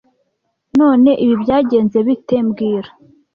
None ibi byagenze bite mbwira